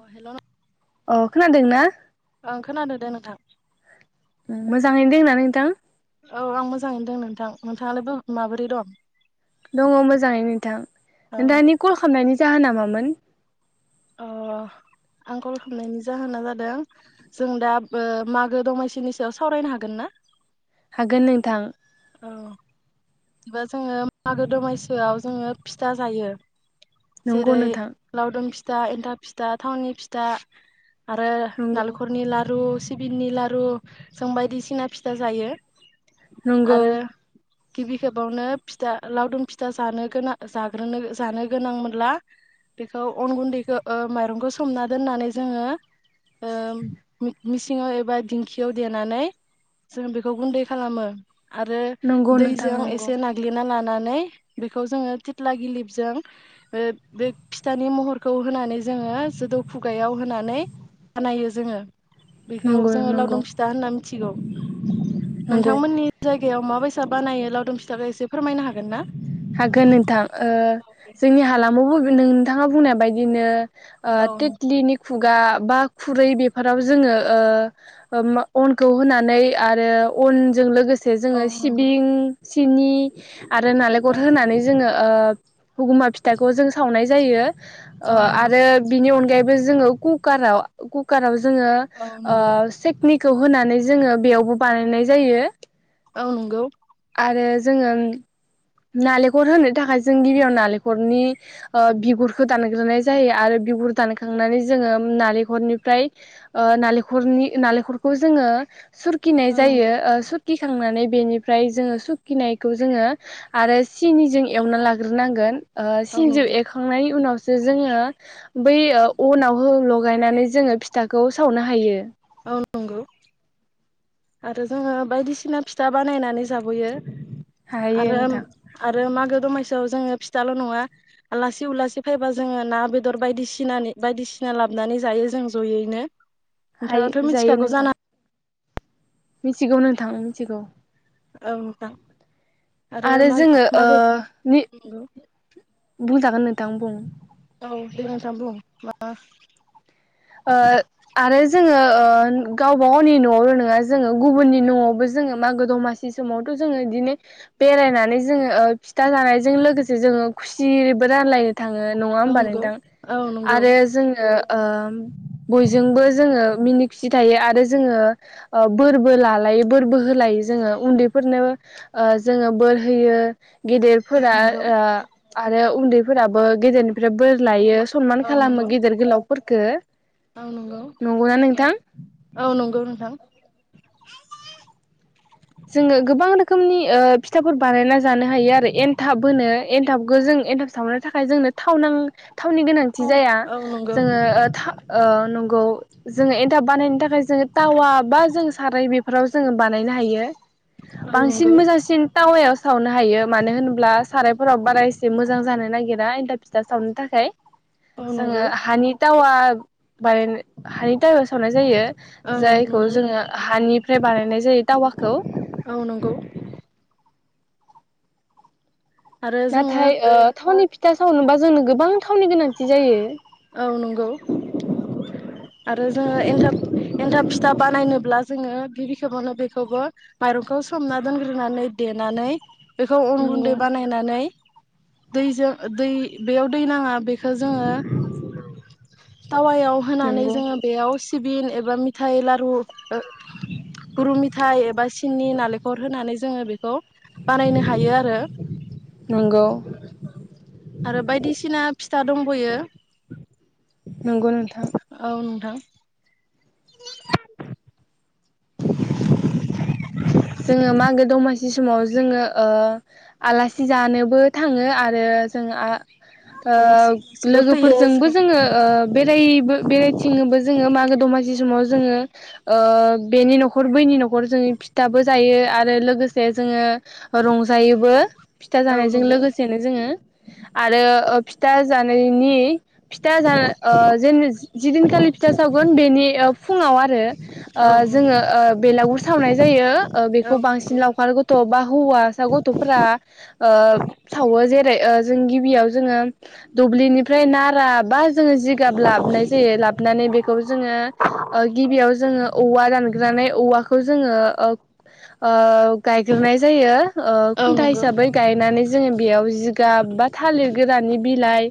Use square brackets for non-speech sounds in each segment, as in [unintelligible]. औ हेल' । खोनादों ना? ओं खोनादों दे नोंथां । ओं मोजाङैनो दंना नोंथां? औ आं मोजाङैनो दों नोंथां। नोंथाङालाय माबोरै दं? दङ मोजाङै नोंथां। ओ नोंथांनि कल खालामनायनि जाहोना मामोन? अ आं कल खालामनायनि जाहोना जादों जों दा ओ मागो दमासिनि सायाव सावरायनो हागोन ना? हागोन नोंथां। औ। बिदिबा जोङो मागो दमासिआव जोङो फिथा जायो। नंगौ जेरै नोंथां लावदुम फि फिथा, एन्थाब फिथा, थावनि फिथा आरो नंगौ नालेंखरनि लारु। सिबिननि लारु जों बायदिसिना फिसा जायो। नंगौ आरो । गिबि खेबावनो फिथा लावदुम फिथा जानो गोनां जाग्रोनो जानो गोनां मोनब्ला बेखौ अन गुन्दैखौ ओ माइरंखौ सोमना दोननानै जोङो ओ मिसिङाव एबा दिंखियाव देनानै जोंङ बेखौ गुन्दै खालामो । आरो नंगौ नोंथां दैजों नंगौ एसे नाग्लिना लाना नै बेखौ जोङो थिथ्ला गिलिपजों ओ बे फिथानि महरखौ होनानै जोङो जोदौ खुगायाव होनानै बानायो जोङो। बिखौ नंगौ जोङो नंगौ लावदुम फिथा होनना थिगौ। नंगौ नोंथांमोननि जाय [inaudible] फिथा बानायो लावदुम फिथाखौ एसे फोरमायनो हागोन ना? हागोन नोंथां। ओ जोंनि हालामावबो नों नोंथाङा बुंनाय बायदिनो औ तिटलिनि खुगा बा खुरै बेफोराव जोङो ओ अनखौ होनानै आरो अनजों लोगोसे औ जोङो नंगौ सिबिं सिनि आरो गुर औ होनानै जोङो ओ हुगुमा फिथाखौ जों सावनाय जायो। औ ओ नंगौ आरो बिनि अनगायैबो बे जोङो खुखाराव खुखाराव जोङो औ नंगौ ओ [unintelligible] खौ होनानै जोङो बेयावबो बानायनाय जायो। औ नोंगौ। आरो जोङो नालेखर होनो थाखाय जों गिबियाव नालेखरनि ओ बिगुरखौ दानग्रोनाय जायो आरो बिगुर दानखांनानै जोङो नालेखरनिफ्राय नालेखरनि नालेखरखौ जोङो सुरखिनाय औ जायो नंगौ ओ सुर खिखांनानै बेनि निफ्राय जोङो सुखिनायखौ जोङो आरो सिनिजों एवना लाग्रोनांगोन ओ औ सिनिजौ नंगौ एरखांनायनि उनाव जो जोङो बै अनाव हो लगायनानै जोङो फिथाखौ सावनो हायो। औ नंगौ आरो जोङो बायदिसिना फिथा बानायनानै जाबोयो। हायो आरो नोंथां आर रो मागो दमासियाव जोङो फिथाल' नङा आलासि उलासि फायबा जोङो ना बेदर बायदिसिनानि बायदिसिना लाबनानै जायो जों जयैनो। हायो नोंथाङाथ' जायो मिथिखागौ नोंथां जाना मिथिगौ नोंथां मिथिगौ। औ नोंथां आरो मागो जोङो ओ मागो नंगौ। ओ नोथांं बुं। औ दे नोंथां बुं [unintelligible] ओ आरो जोङो ओ गावबा गावनि न'आवल' नङा जोङो गुबुननि न'आवबो जोङो मागो दमासि समावथ' जोङो बिदिनो बेरायनानै जोङो ओ फिथा जानायजों लोगोसे जोङो खुसिबो रानलायो थाङो नङा औ होमबा नंगौ नोंथां औ नंगौ आरो जोङो ओ बयजोंबो जोङो मिनि खुसि थायो आरो जोङो ओ बोरबो लालायो बोरबो होलायो जोङो उन्दैफोरनो ओ जोङो बोर होयो। औ गेदेरफोरा नंगौ ओ आरो उन्दैफोराबो गेदेर निफ्राय बोर औ नंगौ लायो सनमान खालामो गेदेर गोलाव फोरखो औ नंगौ औ नंगौ नोंथां। जोङो गोबां रोखोमनि ओ फिथाफोर बानायना जानो हायो आरो। एनथाब होनो एनथाबखौ जों एनथाब सावनो थाखाय जोंनो थाव नां थावनि औ गोनांथि जाया नंगौ जोङो ओ थां ओ नंगौ जोङो एन्थाब बानायनो थाखाय जोङो तावा बा जों साराय बेफोराव जोङो बानायनो हायो। औ नंगौ बांसिन मोजांसिन तावायाव सावनो हायो मानो होनोब्ला सारायफोराव बारा एसे मोजां जानो नागिरा एन्थाब फिथा सावनो थाखाय। औ नंगौ जोङो हानि तावा बानायनो हानि तावायाव सावनाय जायो औ जायखौ नंगौ जोङो हानिफ्राय बानायनाय जायो तावाखौ। औ नंगौ। आरो जोङो नाथाय ओ थावनि फि फिथा सावनोबा जोंनो गोबां थावनि गोनांथि जायो। औ नंगौ आरो जोङो एन्थाब एन्थाब फिथा बानायनोब्ला जोङो गिबि खेबावनो बेखौबो माइरंखौ सोमना दोनग्रोनानै देनानै बेखौ अन नंगौ गुन्दै बानायनानै दैजों दै बेयाव दै नाङा बेखो जोङो तावायाव होनानै नंगौ। जोङो बेयाव सि बिं एबा मिथाइ लारु ओ गुरु मिथाइ एबा सि सिनि नालेंखर होनानै जोङो बेखौ बानायनो हायो आरो। नंगौ आरो बायदिसिना फिथा दंबैयो। नंगौ नोंथां। [unintelligible] [inaudible] जोङो मागो दमासि समाव जोङो ओ आलासि जानोबो थाङो आरो जों आ ओ आलासि उलासिबो फैयो लोगोफोरजोंबो जों जोङो ओ बेरायबो बेरायथिङोबो जोङो मागो-दमासि समाव जोङो। ओ बेनि न'खर बैनि न'खर जोंनि थाबो जायो आरो लोगोसे जोङो रंजायोबो फिथा औ जानायजों नंगौ लोगोसेनो जोङो। आरो ओ फिथा जानायनि फिथा जेना ओ जिनि जिदिनखालि फिथा सावगोन बेनि फुङाव आरो औ ओ नंगौ जोङो ओ बेलागुर सावनाय जायो। ओ औ बेखौ बांसिन नंगौ लावखार गथ' गथ' बा हौवासा गथ'फोरा ओ सावो जेरै ओ जों गिबियाव जोङो दुब्लिनिफ्राय नारा बा जोङो जिगाब लाबनाय जायो। लाबोननानै बेखौ जोङो ओ गिबियाव जोङो औवा दानग्रानै औवाखौ जोङो' ओग ओ गायग्रोनाय जायो। ओ औ खुन्था नंगौ हिसाबै गायनानै जोङो बेयाव जिगाब बा थालिर गोरानि बिलाइ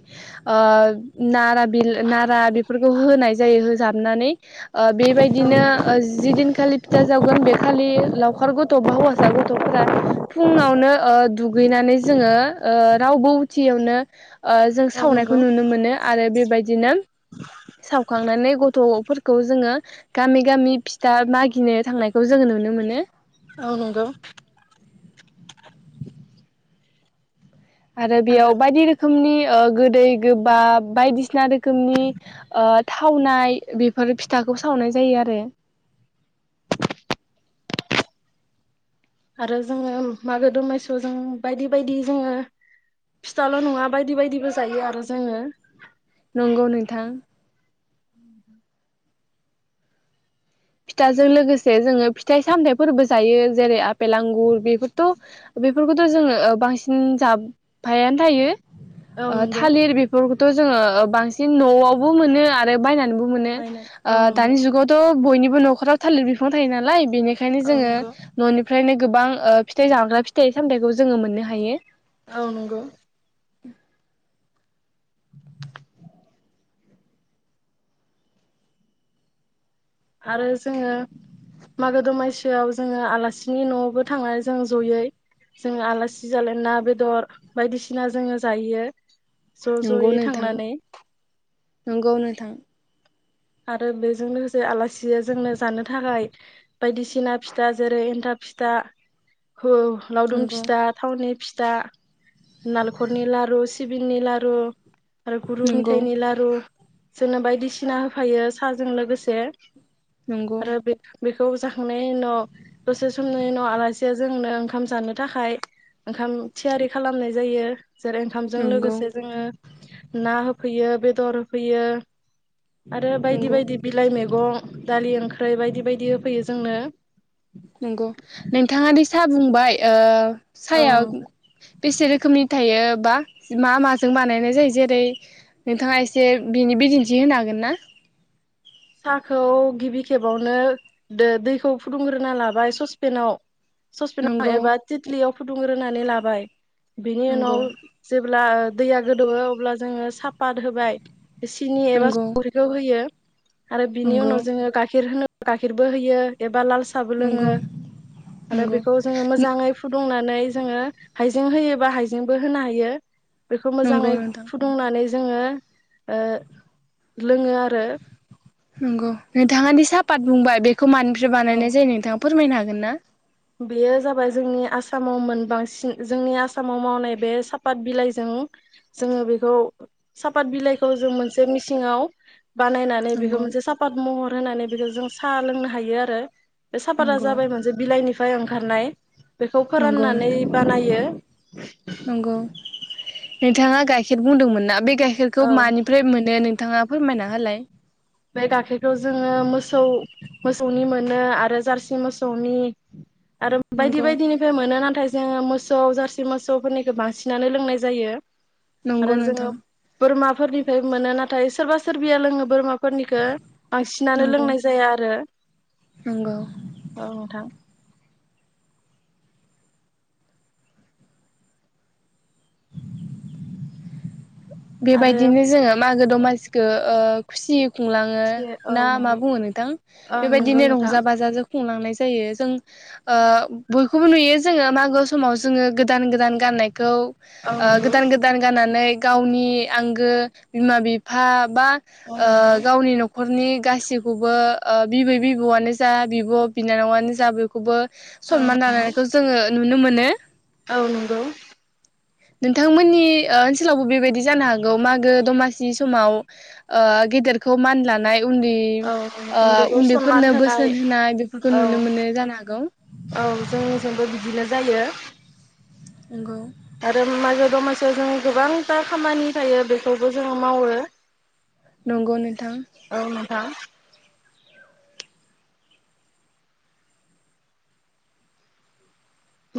ओ नारा बिल नारा बेफोरखौ होनाय जायो होजाब हाबनानै ओ बेबायदिनो ओ जिदिनखालि फिथा जावगोन बेखालि खालि लावखार गथ' बा हौवासा गथ'फोरा फुङावनो ओ दुगैनानै जोङो ओ रावबो उथियावनो ओ जों औ सावनायखौ नंगौ नुनो मोनो आरो बेबायदि दिनोम सावखांनानै गथ' फोरखौ जोङो गामि गामि फिथा मागिनो थांनायखौ खौ जोङो नुनो मोनो। औ नंगौ। आरो बेयाव बायदि रोखोमनि ओ गोदै गोबाब बायदिसिना रोखोमनि ओ थावनाय बेफोर फिथाखौ सावनाय जायो आरो। आरो जोङो मागो दमासिआव जों बायदि बायदि जोङो फिथाल' नङा बायदि बायदिबो जायो आरो जोङो। नंगौ नोंथां। फिथाजों लोगोसे जोंङो फिथाइ सामथायाइफोरबो जायो। जेरै आपेल, आंगुर बेफोरथ' बेफोरखौथ' जोङो बांसिन जाबफायानो थायो। औ ओ नंगौ थालिर बेफोर थ' जोङो बांसिन न'आवबो मोनो आरो बायनानै- न मोनो बायना औ नंगौ दानि जुगावथ' बयनिबो न'खराव थालिर बिफां थायो नालाय- बेनिखायनो औ जोङो नंगौ न'निफ्रायनो- गोबां ओ फिथाइ जाग्रा फिथाइ सामथाइखौ जोङो मोननो हायो। औ नंगौ। ए आरो जोङो मागो दमासियाव जोङो आलासिनि न'आवबो थांनानै जों जयै, जोङो आलासि जालायना ना बेदर बायदिसिना जोङो जायैयो। ज' नंगौ ज'यै नोंथां थांनानै। नंगौ नोंथां। आरो बेजों लोगोसे आलासिया जोंनो जानो थाखाय, बायदिसिना फिथा जेरै एन्थाब फिथा- हो लावदुम नंगौ फिथा थावनि फिथा। दा नालखरनि लारु सिबिंनि लारु- आरो गुर नंगौ मिथाइ निलारु। जोंनो बायदिसिना होफायो साहाजों लोगोसे। नंगौ आरो बेखौ बेखौ जाखांनायनि उनाव दसे समनि उनाव आलासिया जोंनो ओंखाम जानो थाखाय, ओंखाम थियारि खालामनाय जायो। जेरै ओंखामजों नंगौ लोगोसे जोङो। ना होफैयो बेदर होफैयो। आरो बायदि- नंगौ बायदि बिलाइ मैगं मैगं दालि ओंख्रै बायदि -बायदि होफैयो जोंनो। नंगौ। नोंथाङा दि साहा बुंबाय ओ औ साया। बेसे रोखोमनि थायो? बा मा माजों बानायनाय जायो जेरै नोंथाङा एसे बिनि बिदिन्थि होनो हागोन ना? साहाखौ गिबि खेबावनो, दैखौ फुदुंग्रोना लाबाय ससपेनाव। ससपिन नंगौ एबा तितलि फुदुंग्रोनानै लाबाय। बेनि नंगौ उनाव जेब्ला दैया गोदौवो अब्ला जोङो सापात होबाय। सिनि एबा नंगौ संख्रिखौ होयो। आरो बिनि नंगौ उनाव जोङो गाइखेर होनो गाइखिरबो होयो एबा लाल सा साबो लोङो। नंगौ आरो नंगौ बेखौ जोङो मोजाङै फुदुंनानै जोङो हाइजें होयोबा हाइजेंबो होनो हायो। बेखौ नंगौ मोजाङै नोंथां फुदुंनानै जोङो ओ लोङो आरो नंगौ नोंथाङादि सापाट बुंबाय बे खौ मानिफ्राय औ बानायनाय जायो नोंथां? फोरमायनो हागोन ना? बेयो जाबाय जोंनि आसामाव मोनबांसिन जोंनि आसामाव मावनाय बे सापात बिलाइजों जोङो बेखौ सापात बिलाइखौ जों मोनसे मिचिंङाव बानायनानै बेखौ नंगौ मोनसे साफात महर होनानै बेखौ जों साह लोंनो हा हायो आरो बे सापादा नंगौ जाबाय मोनसे बिलाइनि फाय ओंखारनाय बेखौ नंगौ फोराननानै नोंथां बानायो। [inaudible] नंगौ नोंथाङा गाइखेर बुंदोंमोन ना बे गाइखेरखौ औ मानिफ्राय मोनो नों नोंथाङा फोरमायना हालाय? बे गाखेरखौ जोङो मोसौ मोसौनि मोनो आरो जारसि मोसौनि आरो बायदि नंगौ बायदिनिफ्राय मोनो नाथाय जोङो मो सौ जारसि मोसौफोरनिखो बांसिनानो लोंनाय जायो। नंगौ आरो जोङो नोंथां बोरमा फोरनिफ्राय मोनो नाथाय सोरबा सोरबिया लोङो बोरमा फोरनिखौ बांसिनानो नंगौ लोंनाय जाया आरो नंगौ औ नोंथां। आरो बेबायदिनो जोङो मागो दमासिखो ओ खुसि खुंलाङो फिसियो औ ना मा नंगौ बुङो नोंथां औ नंगौ बेबायदिनो नोंथां रंजा बाजाजो खुंलांनाय जायो जों ओ बखौबो नुयो जोंङो मागो समाव जों गोदान गोदान गाननायखौ औ ओ नंगौ गोदान गोदान गाननानै गावनि आंगो बिमा बिफा बा औ ओ नंगौ गावनि नख न'खरनि गासिखौबो बिबै बिबौआनो जा बिब' बिनानावानो जा बयखौबो औ सनमान लालायनायखौ जोङो नुनो मोनो। औ नंगौ नोंथांमोननि ओ ओनसोलावबो बेबायदि जानो हागौ मागो दमासि समाव गेदेरखौ मान लानाय उन्दै औ उन्दैखौ उन्दैफोरनो सनमान बोसोन होनाय बेफोरखौ औ नुनो मोनो जानो हागौ औ जोंनिजोंबो बिदिनो जायो नंगौ आरो मा दमासियाव जों गोबांथा खामानि थायो बेखौबो जोङो मावो नंगौ नोंथां हा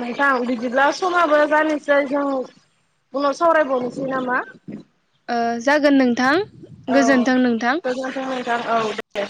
नोंथां बिदिब्ला समाबो जानोसै जों उनाव सावरायबावनोसै नामा ओ जागोन नोंथां औ गोजोन्थों नोंथां गोजोनथों औ दे